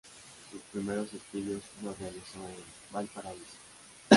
Sus primeros estudios los realizó en Valparaíso.